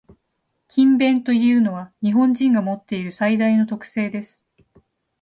「勤勉」というのは、日本人が持っている最大の特性です。